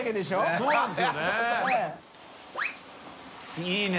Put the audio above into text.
そうなんですよね。